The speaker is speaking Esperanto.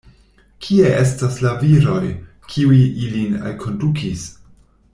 Kie estas la viroj, kiuj ilin alkondukis?